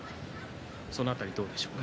その辺りどうでしょうか。